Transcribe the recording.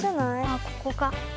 あっここか。